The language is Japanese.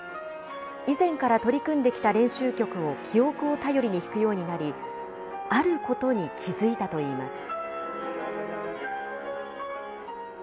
以前から取り組んできた練習曲を記憶を頼りに弾くようになり、あることに気付いたといいます。